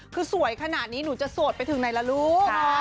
คือสวยขนาดนี้หนูจะโสดไปถึงไหนล่ะลูก